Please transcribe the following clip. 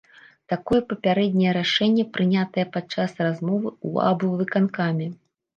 Такое папярэдняе рашэнне прынятае падчас размовы ў аблвыканкаме.